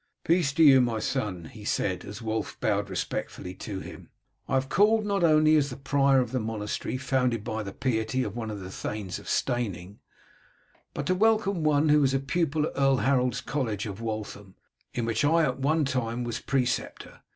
"Peace to you, my son," he said, as Wulf bowed respectfully to him, "I have called not only as the prior of the monastery founded by the piety of one of the thanes of Steyning, but to welcome one who was a pupil at Earl Harold's college of Waltham, in which I at one time was a preceptor.